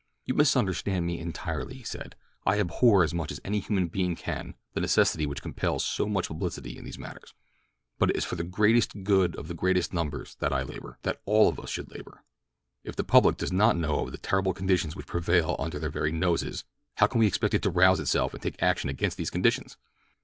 "You misunderstand me entirely," he said. "I abhor as much as any human being can the necessity which compels so much publicity in these matters; but it is for the greatest good of the greatest numbers that I labor—that all of us should labor. If the public does not know of the terrible conditions which prevail under their very noses, how can we expect it to rouse itself and take action against these conditions?